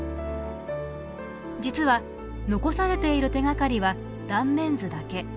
実は残されている手がかりは断面図だけ。